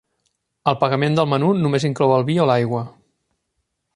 El pagament del menú només inclou el vi o l'aigua.